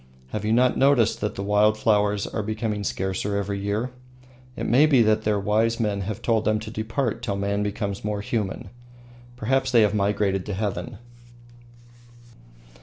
Have you not noticed that the wild flowers are becoming scarcer every year? It may be that their wise men have told them to depart till man becomes more human. Perhaps they have migrated to heaven.